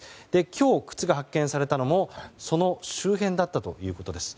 今日、靴が発見されたのもその周辺だったということです。